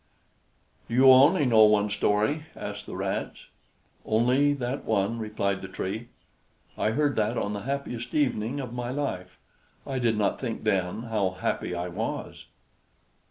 "Do you only know one story?" asked the Rats. "Only that one," replied the Tree. "I heard that on the happiest evening of my life; I did not think then how happy I was."